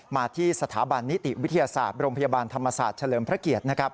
มาที่สถาบันนิติวิทยาศาสตร์โรงพยาบาลธรรมศาสตร์เฉลิมพระเกียรตินะครับ